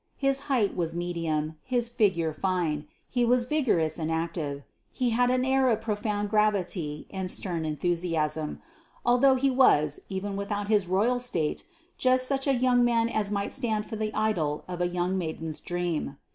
His height was medium, his figure fine; he was vigorous and active. He had an air of profound gravity and stern enthusiasm. Altogether he was, even without his Royal state, just such a young man as might stand for the idol of a young maid's dream.